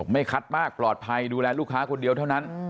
ไม่คัดมากปลอดภัยดูแลลูกค้าคนเดียวเท่านั้น